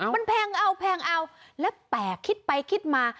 มันแพงเอาและแปลกคิดไปคิดมา